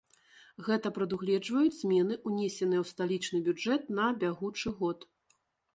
Гэта прадугледжваюць змены, унесеныя ў сталічны бюджэт на бягучы год.